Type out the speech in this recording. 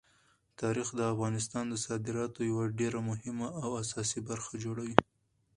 تاریخ د افغانستان د صادراتو یوه ډېره مهمه او اساسي برخه جوړوي.